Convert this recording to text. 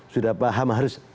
sudah paham harus